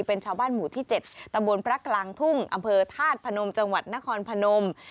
เป็นชาวบ้านหมู่ที่๗ตำบลพระกลางทุ่งอำเภอธาตุพนมจังหวัดนครพนม